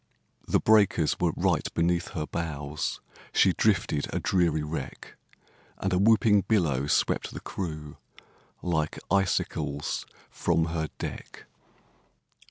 The breakers were right beneath her bows, She drifted a dreary wreck, And a whooping billow swept the crew Like icicles from her deck.